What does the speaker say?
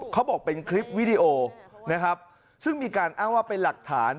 เขาบอกเป็นคลิปวิดีโอนะครับซึ่งมีการอ้างว่าเป็นหลักฐาน